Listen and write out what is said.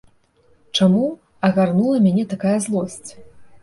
Чаму агарнула мяне такая злосць?